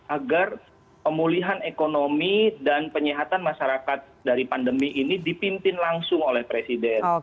agar pemulihan ekonomi dan penyihatan masyarakat dari pandemi ini dipimpin langsung oleh presiden